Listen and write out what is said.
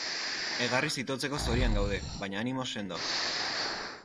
Egarriz itotzeko zorian gaude, baina animoz sendo.